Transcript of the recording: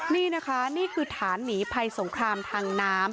นี่นะคะนี่คือฐานหนีภัยสงครามทางน้ำ